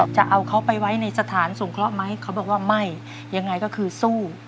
จะเอาเขาไปไว้ในสถานสงเคราะห์ไหมเขาบอกว่าไม่ยังไงก็คือสู้